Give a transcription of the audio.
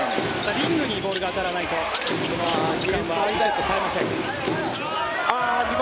リングにボールが当たらないとその時間はリセットされません。